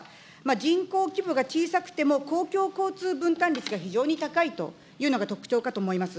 人口規模が小さくても、公共交通分担率が非常に高いというのが特徴かと思います。